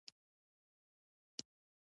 موږ به نه یو.